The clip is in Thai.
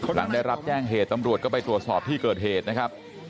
หลังได้รับแจ้งเหตุตำรวจก็ไปตรวจสอบที่เกิดเหตุนะครับ